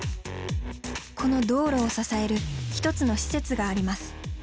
この道路を支える一つの施設があります。